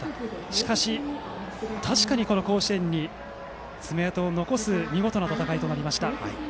しかし、確かに甲子園に爪痕を残す見事な戦いとなりました。